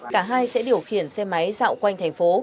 cả hai sẽ điều khiển xe máy dạo quanh thành phố